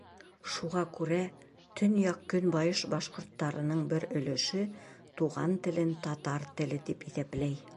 Шуға күрә төньяҡ-көнбайыш башҡорттарының бер өлөшө туған телен татар теле тип иҫәпләй.